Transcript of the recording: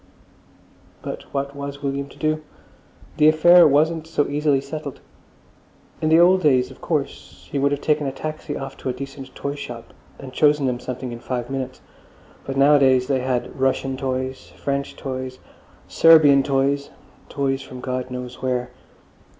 But what was William to do? The affair wasn't so easily settled. In the old days, of course, he would have taken a taxi off to a decent toyshop and chosen them something in five minutes. But nowadays they had Russian toys, French toys, Serbian toys—toys from God knows where.